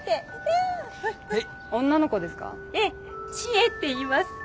ええ知恵っていいます。